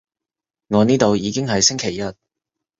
我呢度已經係星期日